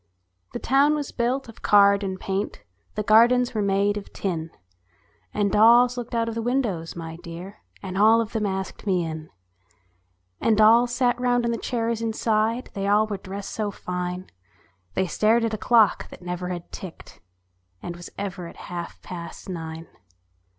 The town was built of card and paint, The gardens were made of tin ; And dolls looked out at the windows, dear, And all of them asked me in. And dolls sat round on the chairs inside ; They all were dressed so fine ; They stared at a clock that never had ticked, And was ever at half past nine.